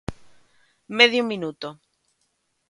Medio minuto.